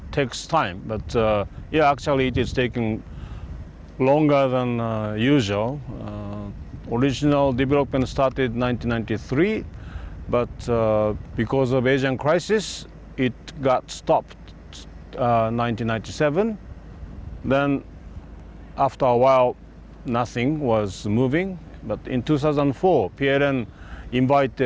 tetapi pada tahun dua ribu empat plt meletakkan pembangunan dari indonesia dan seluruh dunia untuk berpartisipasi dalam perusahaan untuk mengambil alih pembangunan